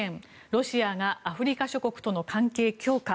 ロシアがアフリカ諸国との関係強化。